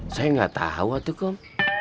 saya nggak tahu atu kum